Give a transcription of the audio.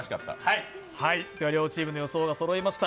両チームの予想がそろいました。